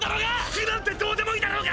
服なんてどうでもいいだろうが！